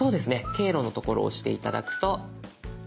「経路」のところを押して頂くと。